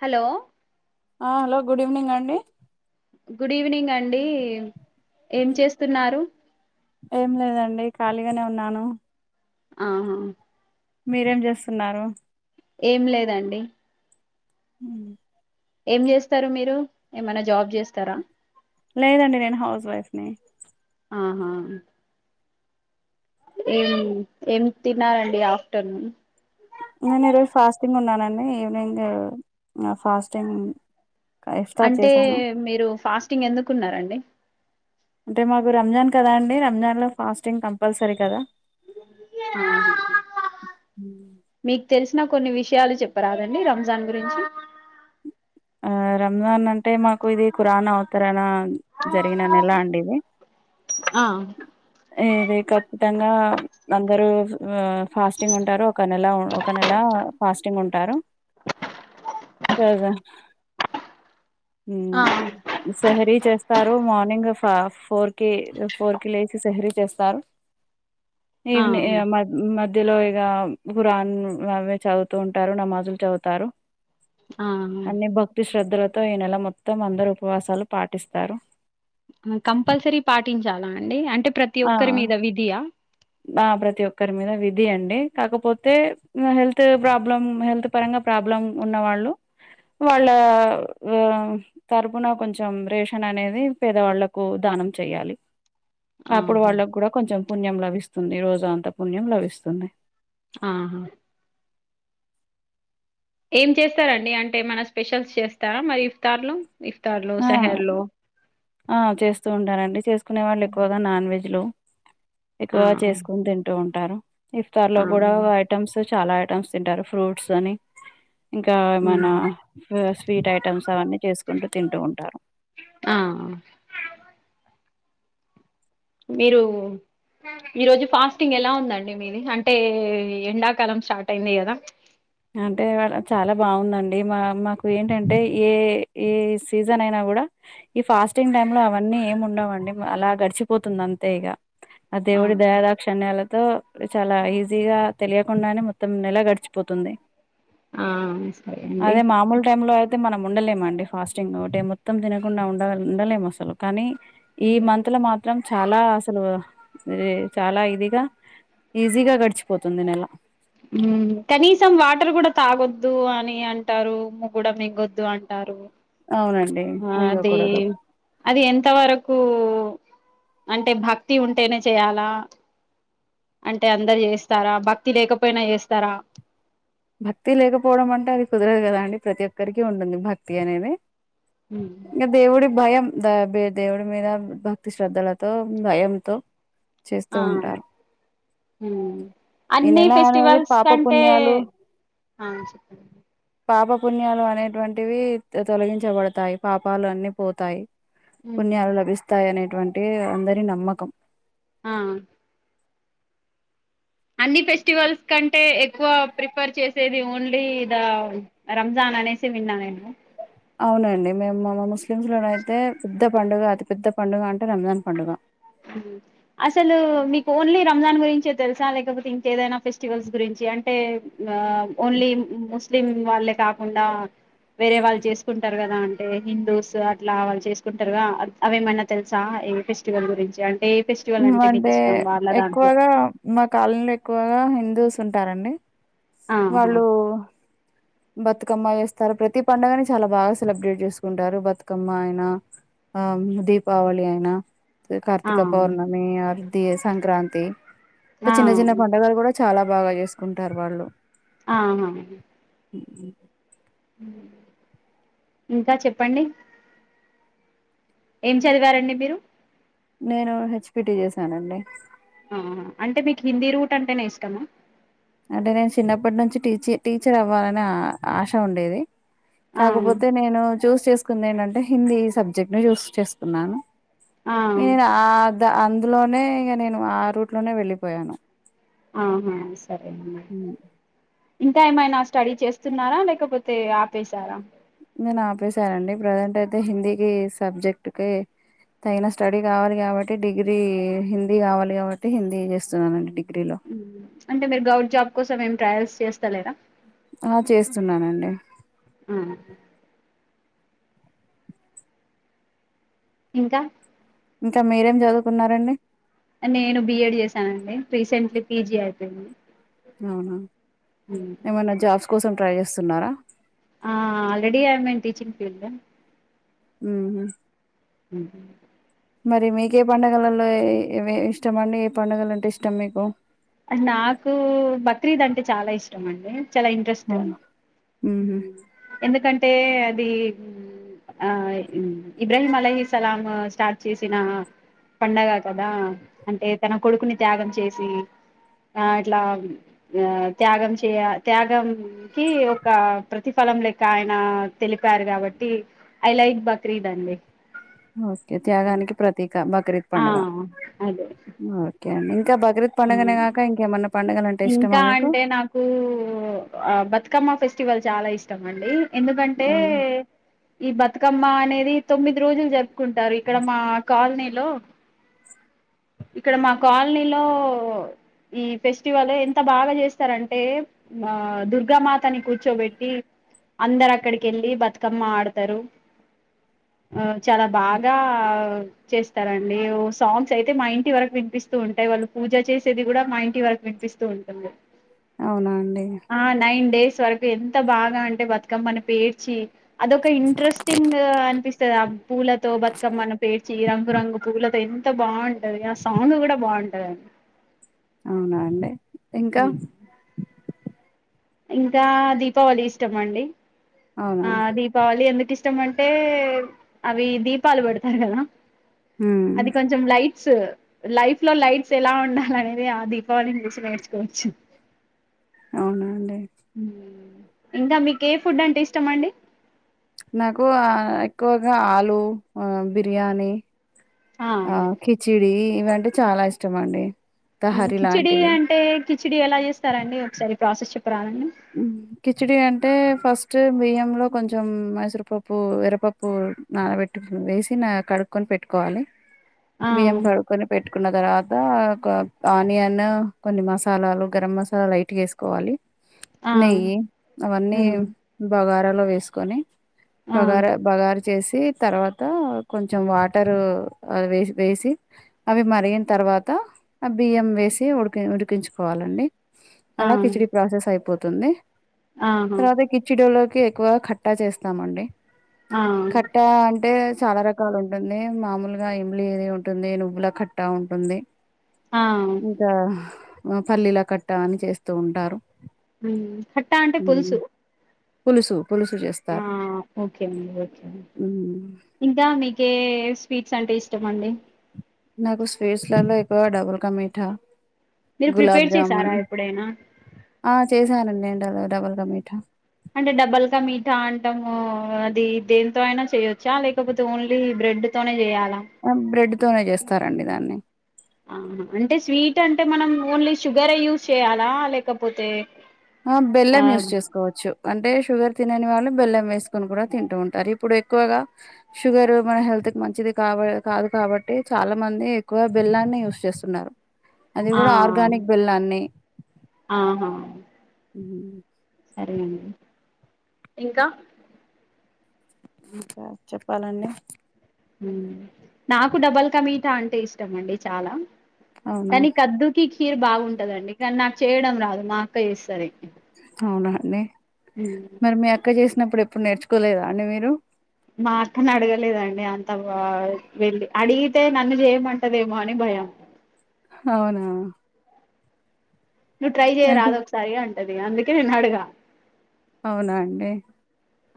Hello ఆ hello good evening అండి good evening అండి ఏం చేస్తున్నారు ఏం లేదండి కలిగానే ఉన్నాను ఆహా మీరేం జేస్తున్నారు ఏం లేదండి హుమ్మ్ ఏం జేస్తారు మీరు ఏమైనా జాబ్ జేస్తారా లేదండి నేను హౌస్ వైఫ్ ని ఆహా ఏం ఏం తిన్నారండి ఆఫ్టర్నూన్ నేన్ ఈరోజు ఫాస్టింగ్ ఉన్నానండి ఈవినింగ్ ఫాస్టింగ్ ఇఫ్తార్ అంటే చేశాను మీరు ఫాస్టింగ్ ఎందుకున్నారండి అంటే మాకు రంజాన్ కదా అండి రంజాన్ లో ఫాస్టింగ్ కంపల్సరీ కదా ఆహా హుమ్మ్ నాక్ కొన్ని విషయాలు చెప్పరాదండి రంజాన్ గురించి ఆ రంజాన్ అంటే మాకు ఇది ఖురానా అవుతారనా జరిగిన నెల అండి ఇది ఆ ఇది ఖచ్చితంగా అందరు ఆ ఫాస్టింగ్ ఉంటారు ఒక నెల ఒక నెల ఫాస్టింగ్ ఉంటారు సర్ ఆ హుమ్మ్ సహేరి చేస్ స్తారు మార్నింగ్ ఫోర్ కి ఫోర్ కి లేచి సహేరి చేస్తారు ఈవని ఆ మా మధ్యలో ఆ ఖురాన్ అవే చదువుతూ ఉంటారు నమాజు లు చదువుతారు అన్ని భక్తి శ్రద్ధలతో తో ఈ నెల మొత్తం అందరు ఉపవాసాలు పాటిస్తారు కంపల్సరీ పాటించాలా అండి అంటే ప్రతి ఆ ఒక్కరి మీద విధియా ఆ ఆ ప్రతి ఒక్కరు మీద విధి అండి కాకపోతే హెల్త్ ప్రాబ్లం హెల్త్ పరంగా ప్రాబ్లం ఉన్న వాళ్ళు వాళ్ళ తరుపున కొంచం రేషన్ అనేది పేదవాళ్ళలకు దానం చెయాలి అప్పుడు ఆహా వాళ్ళకి కూడా కొంచం పుణ్యం లభిస్తుంది రోజా అంతా పుణ్యం లభిస్తుంది ఆహా ఏం చేస్తారండి అంటే ఏమైనా స్పెషల్స్ చేస్తారా మరి ఇఫ్తార్ లో ఆ ఆ చేస్తూ ఉంటారంండి చేసుకునే వాళ్ళు హ్మ్. ఎక్కువగా నాన్ వెజ్లు ఆ! ఎక్కువగా చేసుకొని తింటూ ఉం ంటారు ఇఫ్తార్ లో ఆ! కూడా ఐటమ్స్ చాలా ఐటమ్స్ తింటారు ఫ్రూట్స్ అని ఇంకా ఏమనా హ్మ్. స్వీట్ ఐటమ్స్ అవన్నీ చేసుకుంటు తింటూ ఉంటారు ఆ! మీరు ఈరోజు ఫాస్టింగ్ ఎలా ఉందండి మీది అంటే ఎండాకాలం స్టార్ట్ అయింది కదా అంటే ఇవాల చాలా బాగుందండి మా మాకు ఏంటంటే ఏ ఏ సీజన్ అయినా కూడా ఈ ఫాస్టింగ్ టైమ్ లో అవన్నీ ఏం ఉండవండి అలా గడిచిపోతుంది అంతే ఇగ అ ఆ! దేవుడి దయాదాక్షన్యాలతో ఇప్పుడు చాలా ఈజీగా తెలియకుండానే మొత్తం నెల గడిచిపోతుంది ఆ! సరే అండి. అదే మామూలు టైమ్ లో తే మనం ఉండలేమండి ఫాస్టింగ్ ఒకటి మొత్తం తినకుండా ఉండ ఉండలేము అసలు కానీ ఈ మంత్ లో మాత్రం చాలా అసలు చాలా ఇదిగా ఈజీగా గడిచిపోతుంది నెల కనీసం వాటర్ కూడా తాగొద్దు అని అంటారు ముగ్గుడ మింగొద్దు అంటారు అవునండి అది మింగకూడదు అది ఎంత వరకు అంటే భక్తి ఉంటేనే చేయాలా అంటే అందరు చేస్తారా భక్తి లేకపోయినా చేస్తారా భక్తి లేకపోవడం అంటే అది కుదరదు కదా అండి ప్రతి ఒక్కరికి ఉంటుంది భక్తి అనేది ఇంగ దేవుడికి భయం ద బ దేవుడు మీద భక్తి శ్రద్ధలతో భయంతో చేస్తూ ఆ ఉంటారు ఈ అన్నిీ నెల అనేది ఫెస్టివల్స్ పాప కంటే పుణ్యాలు ఆ చెప్పన పాప పణ్యాలు అనేటువంటివి తొలగించబడతాయి పాపాలు అన్నిీ పోతాయి ఉమ్ పుణ్యలు లభిస్తాయ అనే టువంటి అందరి నమ్మకం ఆ అన్ని ఫెస్టివల్స్ కంటే ఎక్కువ ప్రిఫర్ చేసేది ఓన్లీ ఇద రంజాన్ అనేసి విన్నా నేను అవునండి మేము మా ముస్లిమ్స్ లోన అైతే పెద్ద పండుగ అతి పెెద్ద పండుగ అంటే రంజాన్ పండుగ అసలు మీకు ఓన్లీ రంజాన్ గురించే తెలుసా లేకపోతే ఇంకేదైనా ఫెస్టివల్స్ గురించి అంటే ఆ ఓన్లీ ముస్ స్లిం వాళ్ళే కాకుండా వేరే వాళ్ళు చేసుకుంటారు కదా అంటే హిందూస్ అట్లా వాళ్ళు చేసుకుంటారుగా అవేమన్నా తెలుసా ఈ ఫెస్టివల్ గురిం [unintelligible] అంటే దాంట్లో ఎక్కువగా మా కాలంలో ఎక్కువగా హిందూస్ చూస్తుంటారండి ఆహా వాళ్ళు బతుకమ్మ చేస్తారు ప్రతి పండుగని చాలా బాగా సెలబ్రేట్ చేసుకుంటారు బతుకమ్మ అయినా ఆ దీపావళి అయినా ఆ కార్తిక పౌర్ణమి ఆ ద సంక్రాంతి ప ఆ చినా చి పొం క గర కూడా చాలా బాగా చేసుకుంటారు వాళ్ళు ఆహ ఉ ఇంకా చెప్పండి ఏం చదివారండి మీరు నేను హెచ్పిటి చేశానండి ఆ అంటే మీకు హిందీ రూట్ అంటేనే ఇష్టమా అంటే నేను చిన్నప్పటి నుంచి టీచ టీచర్ అవ్వాలనే ఆశ ఉండేది ఆ కాకపోతే నేను చూస్ చేసుకుందేంటంటే అంటే హిందీ సబ్జెక్ట్ ను చూస్ చేసుకున్నాను ఆ ఏనా ఆ అందులోనే ఇక నేను ఆ రూట్ లోనే వెళ్ళిపోయాను ఆహా సరే ఇంకా ఏమైనా స్టడీ చేస్తున్నారా లేకపోతే ఆపేశారా నేను ఆపేశానుండి ప్రజెంట్ అయితే హిందీకి సబ్జెక్ట్ క తగిన స్టడీ కావాలి కాబట్టి డిగ్రీ హిందీ కావాలి కాబట్టి హిందీ చేస్తున్నానండి డిగీ అంటే మీరు గవర్ట్ జాబ్ ఎసం ట్రయల్స్ చేస్త ఆ చేస్తున్నానండి ఇంకా ఇంకా మీరేం చదువుకున్నారండి నేను బిఎడ్ చేశానండి రీసెంట్లీ పీజీ అయిపోయింది అవునా ఏమన్నా జాబ్స్ కోసం ట్రై చేస్తున్నారా ఆ ఆల్రెడీ ఆన్ టీచింగ్ ఇద ఉమ్ ఉ మరి మీకే పండుగలలో ఇష్టం అండి ఏ పండుగలు అంటే ఇష్టం మీకు నాకు బక్రీద్ అంటే చాలా ఇష్టం అండి చాలా ఇంట్రెస్ట్ ఉహు ఎందుకంటే అంటే అది ఆ ఇబ్రాహీం అలహీ సలాం స్టార్ట్ చేసిన పండగ కదా అంటే తన కొడుకుని త్యాగం చేసి ఆ ఇట్లా ఆ త్యాగం చేయ త్యాగం కి ఒక ప్రతిఫలం లెక ఆయన తెలిపారు కాబట్టి ఐ లైక్ బక్రీద్ అండి ఓకే త్యాగానికి ప్రతీక బక్రీద్ ఆ పండుగ అదే ఓకే ఇంకా బ బక్రీద్ పండుగకాక ఇంకా ఏమైనా ఇంకా అంటే నాకు బతుకమ్మ ఫెస్టివల్ చాలా ఇష్టం అండి ఎందుకంటే అవునా ఈ బత్ బతుకమ్మ అనేది తొమ్మిది రోజులు జరుపుకుంటారు ఇక్కడ మా కాలనీలో ఇక్కడ మా కాలనీలో ఈ ఫెస్ ఫస్టివల్ ఎంత బాగా చేస్తారంటే ఆ దుర్గామాతని కూర్చోబెట్టి అందరు అక్కడికి వెళ్ళి బతుకమ్మ ఆడతారు ఆ చాలా హ్మ్. బాగా చేస్తారండి సాంగ్స్ అయితే మా ఇంటి వరకు వినిపిస్తూ ఉంటాయి వాళ్ళు పూజ చేసేది కూడా మా ఇంటి వరకు విపి వినిపిస్తూ ఉంటుంది అవునా అండి ఆ నైన్ డేస్ వరకు ఎంత బాగా అంటే బతుకమ్మని పేర్చి అదొక్క ఇంట్రెస్టింగ్ అనిపిస్తుంది ఆ పూలతో బతుకమ్మ ను పేర్చి చ్చి రంగు రంగు పూలతో ఎంత బాగుంటది ఆ సాంగ్ కూడా బాగుంటది అవునా అండి ఇంకా ఇంకా దీపావళి ఇష్టం అండి అవునా ఆ దీపావళి ఎందుకు ఇష్ట ఇష్టం అంటే అవి దీపాలు పెడతారు కదా ఉ అది కొంచెం లైట్స్ లైఫ్ లో లైట్స్ ఎలా ఉండాల అనేది ఆ దీపావళిని చూసి నేర్చుకోవచ్చు అవునండి హు ఇంకా మీకు ఏ ఫుడ్ అంటే ఇష్టం అండి నాకు ఎక్కువగా ఆలు బిర్యానీ ఆ కిచిడి ఇవంటే చాలా ఇష్టం అండి తహరి కిచిడి లాంటివి అంటే కిచిడి ఎలా చేస్తారండి ఒకసారి ప్రాసెస్ చెప్ కిచిడి అంటే ఫస్ట్ ఫస్ట్ బియ్యంలో కొంచెం మైసరుపప్పు ఎర్రపప్పు నాలబెట్టు వేసి కడుక్కొని పెట్టుకోవాలి ఆ బియ్యం కడుక్కొని పెట్టుకున్న తర్వాత ఆనియన్ కొన్ని మసాలాలు గరం మసాలా లైట్ వేసుకోవాలి ఆ న అవన్నీ హ్మ్ బగార లో వేసుకొని ఆ బగార బగారు చేసి తర్వాత కొంచెం వాటరు వే వేసి అవి మరిగిన తర్వాత ఆ బియ్యం వేసి ఉడికి ఉడికించుకోవాలండి. ఆ అలా కిచిడి ప్రాసెస్ అయి పోతుంది ఆహా స అతే కచ్చ డోల ఎక్కువగా కట్టా చేస్తామండి ఆ ట్టా అంటే చాలా రకాలు ఉంటుంది మామూలుగా ఇమిలి ఏది ఉంటుంది నువ్వుల కట్టా ఉంటుంది ఆ ఇకా పల్లీల కట్ట అని చేస్తూ ఉంటారు కట్టా అంటే పులుసు పులుసుు ఆ ఓకే మఓకే హ్మ్. ఇకా మీ స్వీట్స్ అంటే ఇష్టం అండి నాకు స్వీట్స్లలో ఎకువ డబుల్కా మీఠా మీరు ప్రిపేర్ చేసారా గులాబ్జామున్ ఎప్పుడైనా ఆ చేశానండి డబల్గా మీఠా అంటే డబ్బల్గా మీఠా అంటాము అది దేంతో అయినా చేయొచ్చా లేకపోతే ఓన్లీ బ్రెడ్ తోనే చేయాలి బ్రెడ్ తనే చేస్తారండి దాన్ని ఆహా అంటే స్వీట్ అంటే మనం ఓన్లీ షుగర్ యూజ్ చేయాలా లేకపోతే ఆ బెల్లం యూస్ చేసుకోవచ్చు అంటే షుగర్ తినని వాళ్ళు బెల్లం వేసుకొని కూడా తింటూ ఉంటారు ఇప్పుడు ఎక్కువగా షుగర్ మన హెల్త్ కి మంచిది కావ కాదు కాబట్టి చాలా మంది ఎక్కువగా బెల్లాన్ని యూస్ చేస్తున్నారు అది ఆ కూడా ఆర్గానిక్ బెల్లాన్ని ఆహా ఉ సరే అండి ఇంకా ఇంకా చెప్పాలండి నాకు డబల్ క మీఠా అంటే ఇష్టం అండి చాలా అవునా కానీ కద్దుకి చీరు బాగుంటదండి కానీ నాకు చేయడం రాదు మా అక్క చేస్తరే అవునా అ మరి మీ అక్క చేసినప్పుడు ఎ అప్పుడు నేర్చుకోలేదుా అండి మీరు మా అక్కను అడగలేదండి అంత వెళ్ళి అడిగితే నన్ను చేయమంటాదేమో అని భయం అవునా నువ్వు ట్రై అంటే చేయరాదు ఒక్కసారి ఆన్ టదిగా అందుకే నేను అడగ అవునా అండి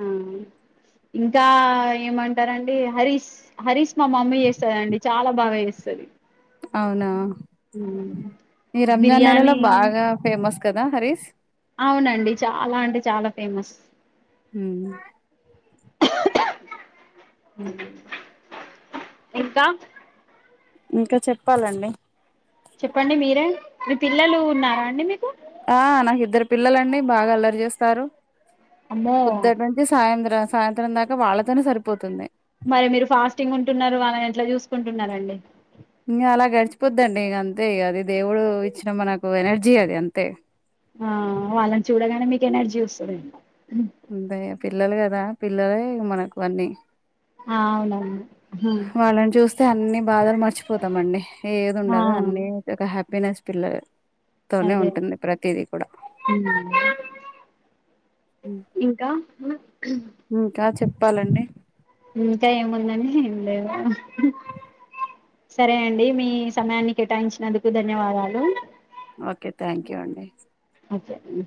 ఆ ఇంకా ఏమంటారు అండి హరీష్ హరీష్ మా మమ్మీ చేస్తాదండి చాలా బాగా చేస్తది అవునా మ్మ్. ఈ రంజాన్ నెలలో బిర్యానీ బాగా ఫేమస్ కదా హరీష్ అవునండి చాలా అంటే చాలా ఫేమస్ యూ ఇంకా ఇంకా చెప్పాలండి చెప్పండి మీరే మీ పిల్లలు ఉన్నారా అండి మీకు ఆ నాకు ఇద్దరు పిల్లలు అండి బాగా అల్లరి చేస్తారు అమ్మో పొద్దటి నుంచి సాయంత్రం సాయంత్రం దాకా వాళ్ళతోనే సరిపోతుంది మరి మీరు ఫాస్టింగ్ ఉంటున్నారు వాళ్లని ఎట్లా చూసుకుంటున్నారండి ఇంకా అలా గడిచి పోద్దండి ఇగ అంతే అది దేవుడు ఇచ్చిన మనకు ఎనర్జీ అది అంతే ఆ వాళ్ళని చూడగానే మీకు ఎనర్జీ వస్తది ఏమో అంతే గా పిల్లలు కదా పిల్లలే మనకు అన్ని ఆ అవునవును వాళ్ళని చూస్ తే అన్ని బాధలు మర్చిపోతాం అండి ఏది ఆ ఉండదు అన్నీ ఒక హ్యాపీ పేనాన్సి పిల్లలు అదే యూ ఇంకా ఇంకా చెప్పాలండి ఇంకా ఏముందండి ఏం లేదు సరే అండి మీ సమయాన్ని కేటాయించినందుకు ధన్యవాదాలు ఓకే థ్యాంక్ యూ అండి ఓకే అండి